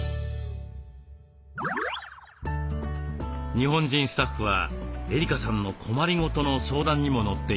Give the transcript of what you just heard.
日本人スタッフはエリカさんの困り事の相談にも乗っています。